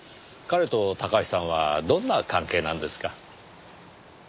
彼とタカハシさんはどんな関係なんですか？